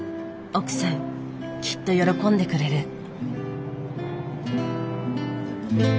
奥さんきっと喜んでくれる。